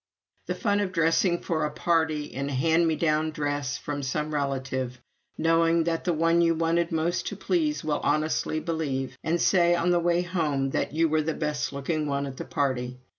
The fun of dressing for a party in a hand me down dress from some relative, knowing that the one you want most to please will honestly believe; and say on the way home, that you were the best looking one at the party!